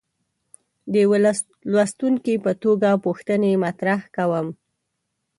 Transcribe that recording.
د یوه لوستونکي په توګه پوښتنې مطرح کوم.